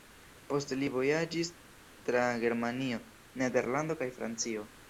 Poste li vojaĝis tra Germanio, Nederlando kaj Francio.